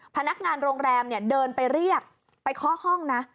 พนักงานโรงแรมเดินไปเรียกไปข้อห้องนะ